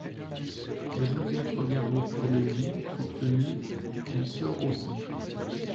Le Joseph regarde autour de lui, soupçonneux, puis sort aussi.